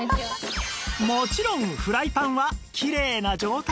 もちろんフライパンはきれいな状態